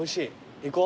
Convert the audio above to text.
行こう。